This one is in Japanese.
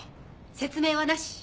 説明はなし！